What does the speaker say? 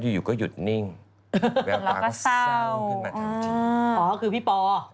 หยุดนิ่งแล้วก็เศร้าแล้วก็เศร้าอ๋อคือพี่ปอ